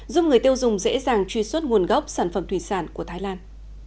giúp người tiêu dùng dễ dàng truy xuất nguồn gốc sản phẩm thủy sản của thái lan